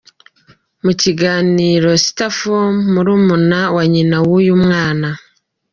Mu kiganiro star forum, murumuna wa nyina wuyu mwana.